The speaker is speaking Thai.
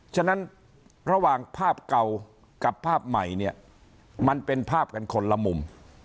ฉะนั้นระหว่างภาพเก่ากับภาพใหม่เนี่ยมันเป็นภาพกันคนละมุม